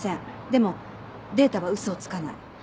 でもデータは嘘をつかない。